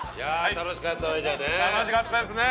楽しかったですね。